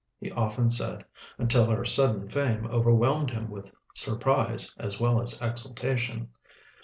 he often said, until her sudden fame overwhelmed him with surprise as well as exultation.